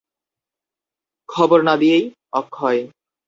খবর না দিয়েই– অক্ষয়।